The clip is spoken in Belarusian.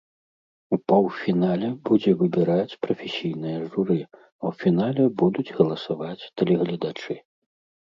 У паўфінале будзе выбіраць прафесійнае журы, а ў фінале будуць галасаваць тэлегледачы.